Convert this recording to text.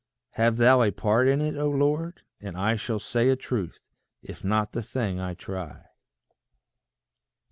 Have thou a part in it, O Lord, and I Shall say a truth, if not the thing I try.